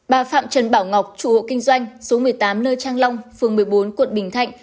bà phạm trần bảo ngọc chủ hộ kinh doanh số một mươi tám lê trang long phường một mươi bốn quận bình thạnh